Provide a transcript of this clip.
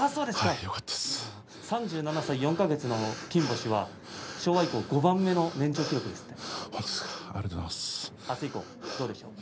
３７歳４か月での金星は昭和以降５番目の年長です。